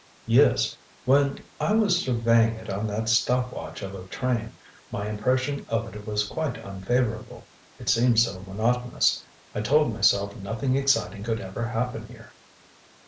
"Yes. When I was surveying it on that stopwatch of a train, my impression of it was quite unfavorable. It seemed so monotonous. I told myself nothing exciting could ever happen here."